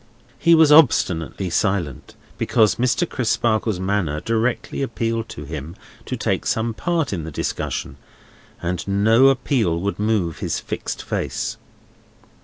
He was obstinately silent, because Mr. Crisparkle's manner directly appealed to him to take some part in the discussion, and no appeal would move his fixed face.